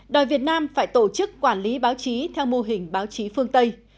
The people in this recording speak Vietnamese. đòi việt nam phải tổ chức quản lý báo chí theo mô hình báo chí phương tây